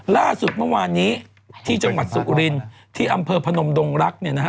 ล่าสุดเมื่อวานนี้ที่จังหวัดสุรินที่อำเภอพนมดงรักเนี่ยนะฮะ